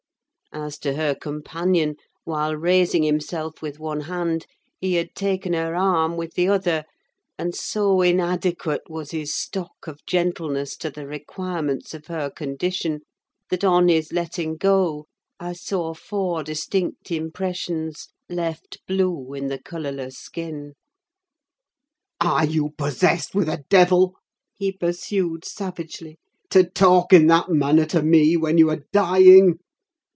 As to her companion, while raising himself with one hand, he had taken her arm with the other; and so inadequate was his stock of gentleness to the requirements of her condition, that on his letting go I saw four distinct impressions left blue in the colourless skin. "Are you possessed with a devil," he pursued, savagely, "to talk in that manner to me when you are dying?